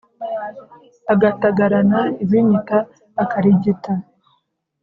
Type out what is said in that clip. Agatagarana ibinyita akarigita.